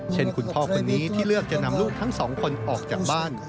คุณพ่อคนนี้ที่เลือกจะนำลูกทั้งสองคนออกจากบ้าน